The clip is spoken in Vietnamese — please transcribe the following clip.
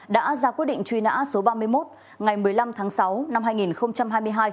đã ra quyết định truy nã số ba mươi một ngày một mươi năm tháng sáu năm hai nghìn hai mươi hai